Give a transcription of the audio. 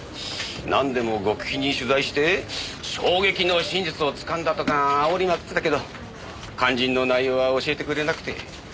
なんでも極秘に取材して衝撃の真実をつかんだとかあおりまくってたけど肝心の内容は教えてくれなくて。